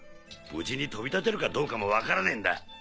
無事に飛び立てるかどうかも分からねえんだ。